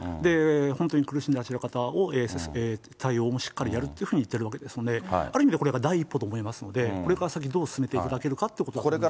本当に苦しんでいらっしゃる方の対応もしっかりやるっていうふうに言ってるわけですので、ある意味でこれが第一歩だと思いますので、これから先どう進めていただけるのかということだと思いますね。